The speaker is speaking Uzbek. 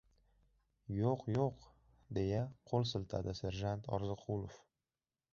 — Yo‘q-yo‘q! — deya qo‘l siltadi serjant Orziqulov.